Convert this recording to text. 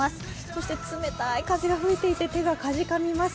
そして冷たい風が吹いていて手がかじかみます。